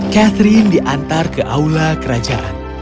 catherine diantar ke aula kerajaan